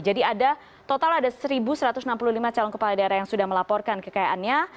jadi ada total satu satu ratus enam puluh lima calon kepala daerah yang sudah melaporkan kekayaannya